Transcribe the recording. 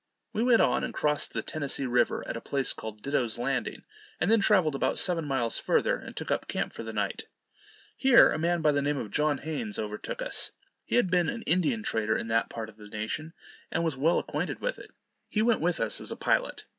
We went on, and crossed the Tennessee river at a place called Ditto's Landing; and then traveled about seven miles further, and took up camp for the night. Here a man by the name of John Haynes overtook us. He had been an Indian trader in that part of the nation, and was well acquainted with it. He went with us as a pilot.